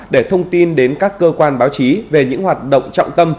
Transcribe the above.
để thông tin đến các cơ quan báo chí về những hoạt động trọng tâm